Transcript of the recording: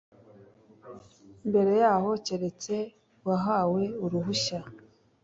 Mbere yaho keretse uwahawe uruhushya